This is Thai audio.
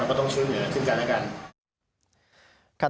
เราก็ต้องช่วยเหนือขึ้นกันแล้วกัน